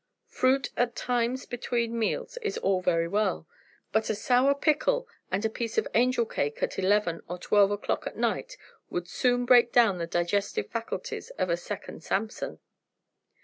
Fruit at times between meals is all very well. But a sour pickle and a piece of angel cake at eleven or twelve o'clock at night would soon break down the digestive faculties of a second Samson.